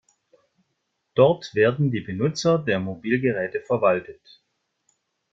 Dort werden die Benutzer der Mobilgeräte verwaltet.